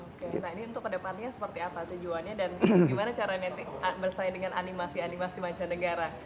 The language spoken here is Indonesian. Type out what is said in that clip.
oke nah ini untuk kedepannya seperti apa tujuannya dan gimana caranya bersaing dengan animasi animasi mancanegara